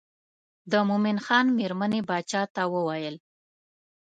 د مومن خان مېرمنې باچا ته وویل.